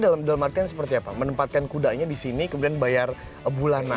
dalam artian seperti apa menempatkan kudanya di sini kemudian bayar bulanan